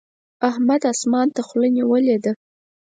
احمد اسمان ته خوله نيولې ده.